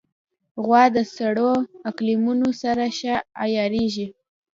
غوا د سړو اقلیمونو سره ښه عیارېږي.